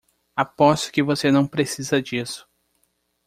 Aposto que você não precisa disso.